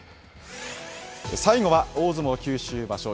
最期は大相撲九州場所